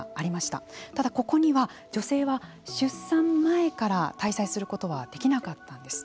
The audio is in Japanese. ただ、ここには女性は出産前から滞在することはできなかったんです。